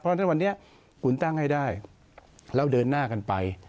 เพราะฉะนั้นวันนี้คุณตั้งให้ได้แล้วเดินหน้ากันไป